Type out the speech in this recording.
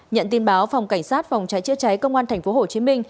nhận tin báo phòng cảnh sát phòng cháy chữa cháy công an tp hcm